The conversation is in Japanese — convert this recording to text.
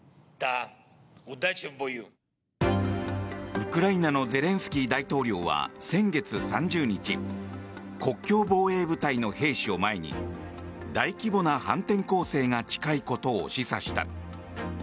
ウクライナのゼレンスキー大統領は先月３０日国境防衛部隊の兵士を前に大規模な反転攻勢が近いことを示唆した。